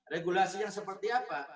regulasi yang seperti apa